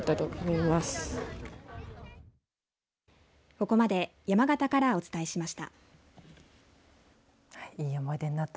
ここまで山形からお伝えしました。